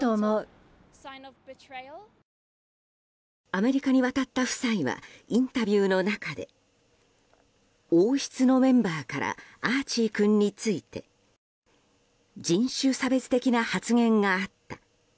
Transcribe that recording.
アメリカに渡った夫妻はインタビューの中で王室のメンバーからアーチー君について人種差別的な発言があった。